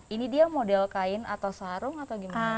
ini dia model kain atau sarung atau gimana